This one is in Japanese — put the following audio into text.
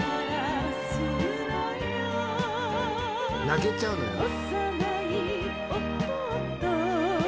泣けちゃうのよ。